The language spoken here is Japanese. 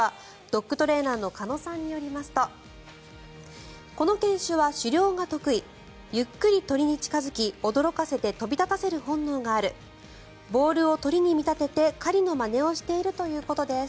ドッグトレーナーの鹿野さんによりますとこの犬種は狩猟が得意ゆっくり鳥に近付き驚かせて飛び立たせる本能があるボールを鳥に見立てて狩りのまねをしているということです。